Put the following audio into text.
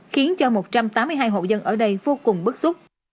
khiến cho một trăm tám mươi hai hộ dân ở đây vô cùng bức xúc